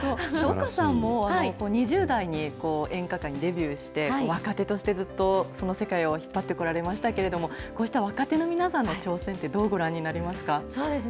丘さんも、２０代に演歌界にデビューして、若手としてずっとその世界を引っ張ってこられましたけど、こうした若手の皆さんの挑戦そうですね、